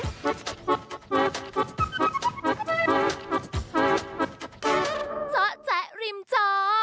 จ๊ะจ๊ะริมจอ